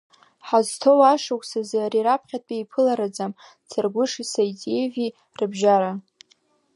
Ҳазҭоу ашықәс азы ари раԥхьатәи еиԥылараӡам Царгәыши Саитиеви рыбжьара.